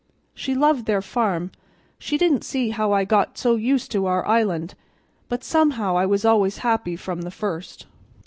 She loved their farm, she didn't see how I got so used to our island; but somehow I was always happy from the first."